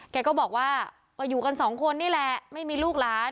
แกก็บอกว่าก็อยู่กันสองคนนี่แหละไม่มีลูกหลาน